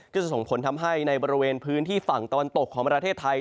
จะส่งผลทำให้ในบริเวณพื้นที่ฝั่งตะวันตกของประเทศไทย